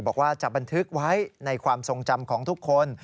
บอกว่าจะบันทึกไว้ในความทรงจำของทุกคน